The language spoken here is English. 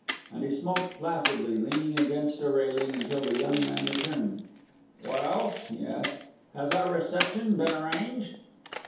And he smoked placidly, leaning against a railing, until the young man returned. "Well," he asked, "has our reception been arranged?"